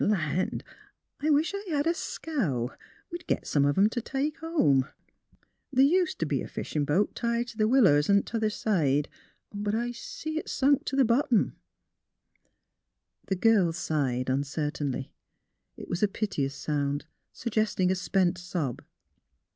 Land! I wish I hed a scow. We'd git some of 'em t' take home. The' ust t' be a fishin' boat tied t' th' willows on th' other side; but I see it's sunk t' th' bottom." The girl sighed uncertainly. It was a piteous sound, suggesting a spent sob.